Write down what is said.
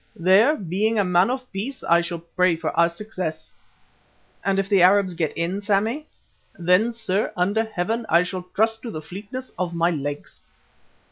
There, being a man of peace, I shall pray for our success." "And if the Arabs get in, Sammy?" "Then, sir, under Heaven, I shall trust to the fleetness of my legs."